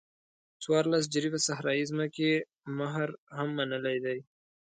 څوارلس جریبه صحرایي ځمکې مهر هم منلی دی.